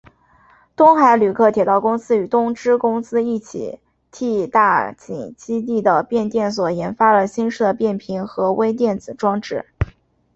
东海旅客铁道公司与东芝公司一起替大井基地的变电所研发了新式的变频和微电子装置。